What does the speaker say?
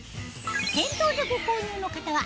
店頭でご購入の方は